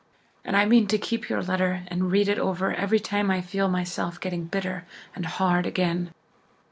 And I mean to keep your letter and read it over every time I feel myself getting bitter and hard again."